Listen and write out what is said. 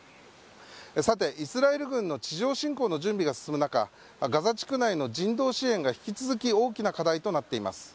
さて、イスラエル軍の地上侵攻の準備が進む中ガザ地区内の人道支援が引き続き大きな課題となっています。